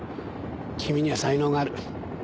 君には才能がある。